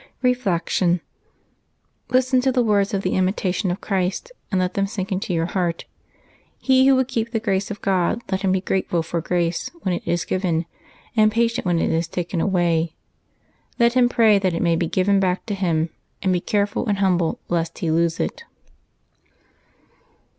Reflection. — Listen to the words of the "Imitation of Christ," and let them sink into your heart :" He who would keep the grace of God, let him be grateful for grace when it is given, and patient when it is taken away. Let him pray that it may be given back to him, and be careful and humble, lest he lose it."